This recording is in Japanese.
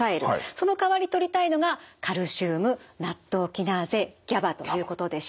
そのかわりとりたいのがカルシウムナットウキナーゼＧＡＢＡということでした。